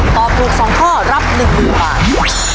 ตอบถูก๒ข้อรับ๑๐๐๐บาท